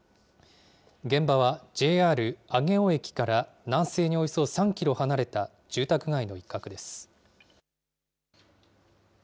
現場はＪＲ上尾駅から南西におよそ３キロ離れた住宅街の一角です。